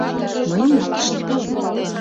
«Мыйымат тыште палат.